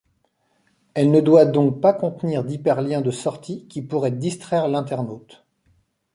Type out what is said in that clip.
Elle ne doit donc pas contenir d'hyperliens de sortie qui pourraient distraire l'internaute.